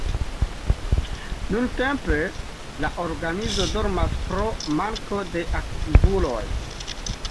Nuntempe la organizo dormas pro manko de aktivuloj.